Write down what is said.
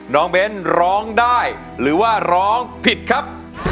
น้องเบ้นร้องได้หรือว่าร้องผิดครับ